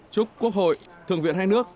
chúc quốc hội thượng viện hai nước